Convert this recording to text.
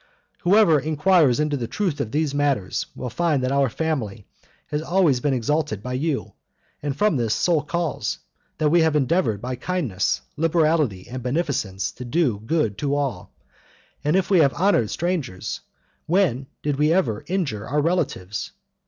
Whoever inquires into the truth of these matters, will find that our family has always been exalted by you, and from this sole cause, that we have endeavored by kindness, liberality, and beneficence, to do good to all; and if we have honored strangers, when did we ever injure our relatives?